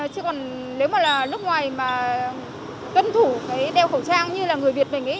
chứ còn nếu mà là nước ngoài mà tuân thủ cái đeo khẩu trang như là người việt mình ấy